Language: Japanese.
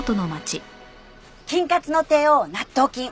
菌活の帝王納豆菌。